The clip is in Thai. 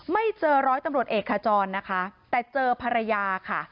ไม่เจอร้อยตำรวจเอกขจรนะคะแต่เจอภรรยาค่ะ